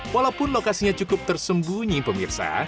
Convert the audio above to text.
walaupun lokasinya cukup tersembunyi pemirsa